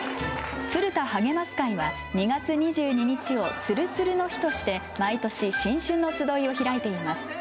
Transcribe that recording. ツル多はげます会は、２月２２日をつるつるの日として、毎年新春の集いを開いています。